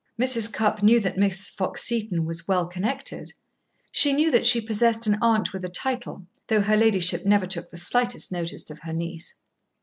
Mrs. Cupp knew that Miss Fox Seton was "well connected;" she knew that she possessed an aunt with a title, though her ladyship never took the slightest notice of her niece.